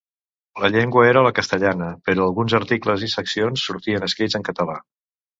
La llengua era la castellana, però alguns articles i seccions sortien escrits en català.